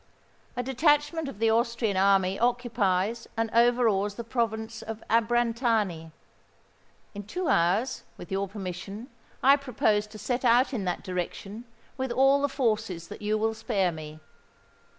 A detachment of the Austrian army occupies and overawes the province of Abrantani: in two hours, with your permission, I propose to set out in that direction with all the forces that you will spare me.